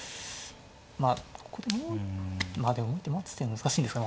まあここでもう一手待つ手難しいんですかね。